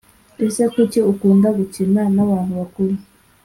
Ese kuki ukunda gukina nabantu bakuru